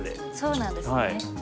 そうなんですね。